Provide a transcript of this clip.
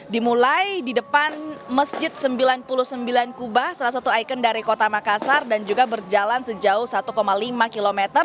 dimulai di depan masjid sembilan puluh sembilan kubah salah satu ikon dari kota makassar dan juga berjalan sejauh satu lima km